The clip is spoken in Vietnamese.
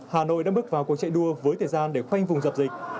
hà nội đã bước vào cuộc chạy đua với thời gian để khoanh vùng dập dịch